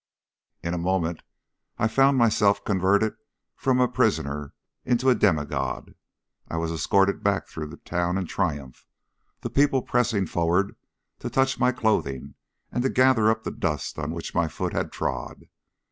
In a moment I found myself converted from a prisoner into a demi god. I was escorted back through the town in triumph, the people pressing forward to touch my clothing and to gather up the dust on which my foot had trod.